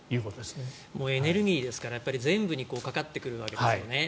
エネルギーですから全部にかかってくるわけですね。